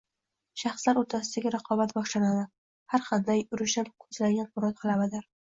– shaxslar o‘rtasida raqobat boshlanadi. Har qanday urushdan ko‘zlangan murod g‘alabadir;